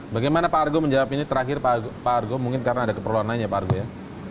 bagaimana pak argo menjawab ini terakhir pak argo mungkin karena ada keperluan lain ya pak argo ya